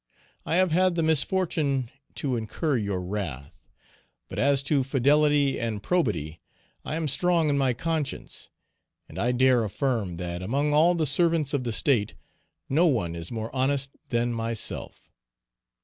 I have had the misfortune to incur your wrath, but as to fidelity and probity, I am strong in my conscience, and I dare affirm, that among all the servants of the state no one is more honest than myself.